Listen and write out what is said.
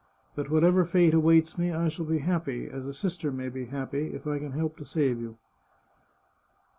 But whatever fate awaits me, I shall be happy, as a sister may be happy, if I can help to save you."